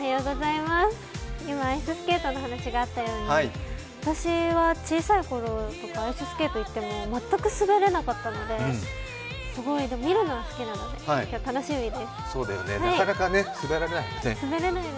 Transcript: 今アイススケートの話があったように、私は小さいころとか、アイススケートに行っても全く滑れなかったのですごいでも見るのは好きなのでそうだよね、なかなか滑れないよね。